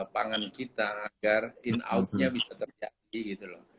pangan kita agar in out nya bisa terjadi gitu loh